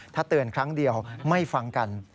ถ้าเตือนครั้งเดียวไม่ฟังกัน